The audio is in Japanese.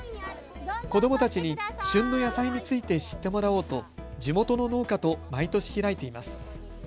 子どもたちに旬の野菜について知ってもらおうと地元の農家と毎年開いています。